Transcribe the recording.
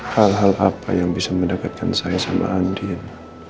hal hal apa yang bisa mendekatkan saya sama andin